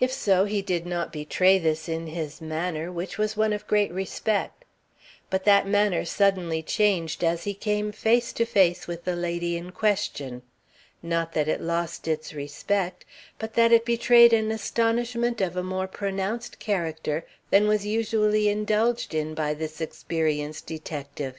If so, he did not betray this in his manner, which was one of great respect. But that manner suddenly changed as he came face to face with the lady in question. Not that it lost its respect, but that it betrayed an astonishment of a more pronounced character than was usually indulged in by this experienced detective.